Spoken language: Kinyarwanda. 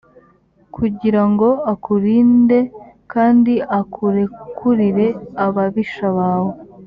kugira ngo akurinde kandi akurekurire ababisha bawe.